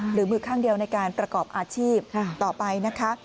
หรือมือข้างเดียวในการประกอบอาชีพต่อไปนะคะ